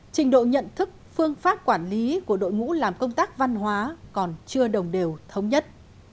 trình độ nhận thức phương pháp quản lý của đội ngũ làm công tác văn hóa còn chưa đồng đều thống nhất